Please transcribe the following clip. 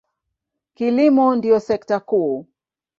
Kilimo ndiyo sekta kuu.